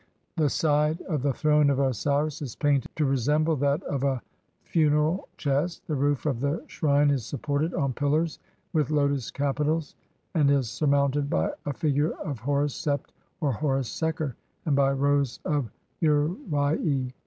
The side of the throne of Osiris is painted to rememble that of a funeral chest. The roof of the shrine is supported on pillars with lotus capitals, and is surmounted by a figure of Horus Sept or Horus Seker, and by rows of uraei.